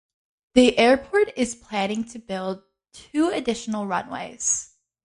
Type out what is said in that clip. The airport is planning to build two additional runways.